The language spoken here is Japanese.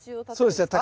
そうですね。